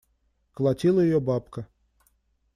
Колотила ее бабка.